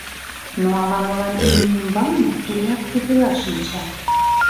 Но ала-молан имне ӱмбалне эреак тупела шинча.